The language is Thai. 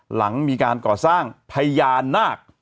หลังมีการก่อสร้างพญานาค